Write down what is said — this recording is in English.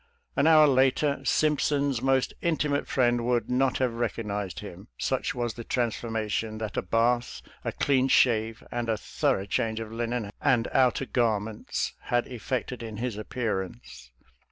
An hour later Simpson's most intimate friend would not have recognized him, such was the transformation that a bath, a clean shave, and a through change of linen and outer garments had effected in his appearance.